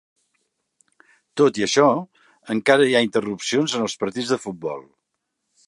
Tot i això, encara hi ha interrupcions en els partits de futbol.